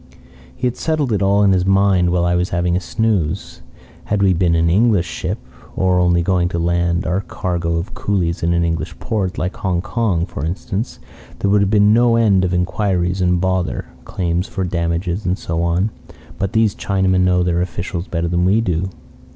"He had settled it all in his mind while I was having a snooze. Had we been an English ship, or only going to land our cargo of coolies in an English port, like Hong Kong, for instance, there would have been no end of inquiries and bother, claims for damages and so on. But these Chinamen know their officials better than we do.